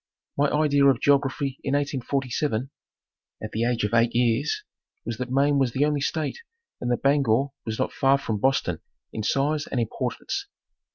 My idea of geography in 1847 at the age of eight years was that Maine was the only state and that Bangor was not far from Boston in size and importance.